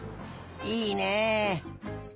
いいね。